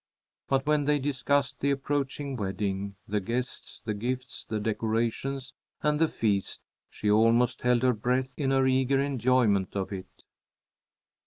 But when they discussed the approaching wedding, the guests, the gifts, the decorations, and the feast, she almost held her breath in her eager enjoyment of it.